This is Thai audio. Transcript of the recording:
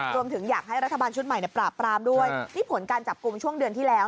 อยากให้รัฐบาลชุดใหม่ในปราบปรามด้วยนี่ผลการจับกลุ่มช่วงเดือนที่แล้ว